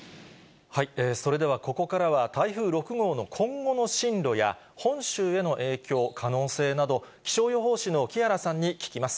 それではここからは、台風６号の今後の進路や、本州への影響、可能性など、気象予報士の木原さんに聞きます。